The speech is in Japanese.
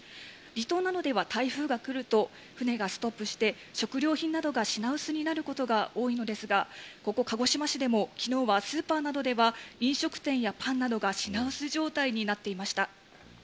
離島などでは台風が来ると船がストップして、食料品などが品薄になることが多いのですが、ここ鹿児島市でも、きのうはスーパーなどでは、飲食店やパンなどが品薄状態になっていました。